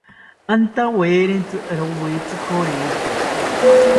Antawerintzi rowitzi koritzi